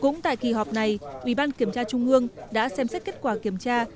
cũng tại kỳ họp này ủy ban kiểm tra trung ương đã xem xét kết quả kiểm tra